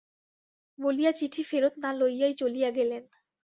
বলিয়া চিঠি ফেরত না লইয়াই চলিয়া গেলেন।